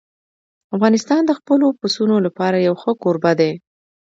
افغانستان د خپلو پسونو لپاره یو ښه کوربه دی.